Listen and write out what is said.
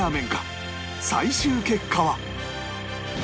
最終結果は